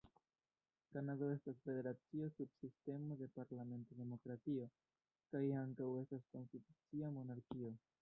Kanado estas federacio sub sistemo de parlamenta demokratio, kaj ankaŭ estas konstitucia monarkio.